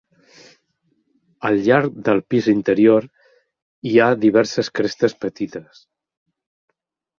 Al llarg del pis interior hi ha diverses crestes petites.